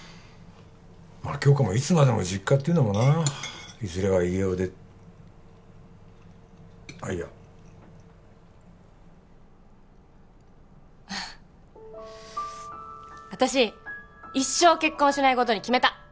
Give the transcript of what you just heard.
まあ杏花もいつまでも実家っていうのもないずれは家を出あっいや私一生結婚しないことに決めた！